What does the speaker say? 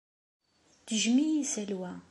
Tejjem-iyi Salwa.